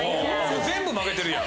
全部負けてるやん。